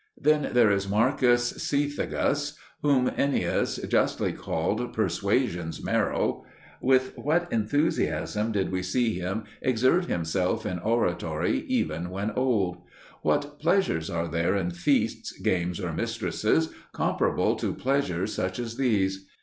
Then there is Marcus Cethegus, whom Ennius justly called "Persuasion's Marrow" with what enthusiasm did we see him exert himself in oratory even when quite old! What pleasures are there in feasts, games, or mistresses comparable to pleasures such as these?